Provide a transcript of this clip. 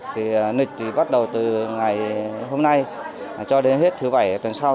thì lịch thì bắt đầu từ ngày hôm nay cho đến hết thứ bảy tuần sau